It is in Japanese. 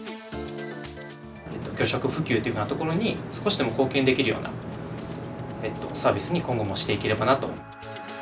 魚食普及というところに少しでも貢献できるようなサービスに今後もしていければなと。